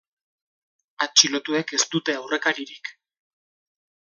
Atxilotuek ez dute aurrekaririk.